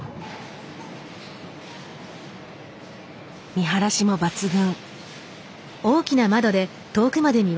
見晴らしも抜群。